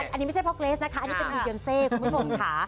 อันนี้ไม่ใช่เพราะเกรสนะคะอันนี้เป็นอียนเซคุณผู้ชมค่ะ